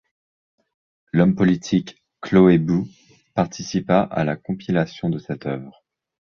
L´homme politique Choe Bu participa à la compilation de cette œuvre.